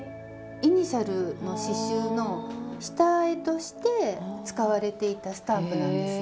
イニシャルの刺しゅうの下絵として使われていたスタンプなんですよ。